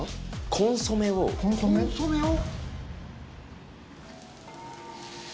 コンソメを・コンソメを？